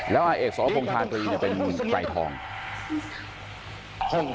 แล้วอาเอกสรพงษาตรีเป็นไตรทอง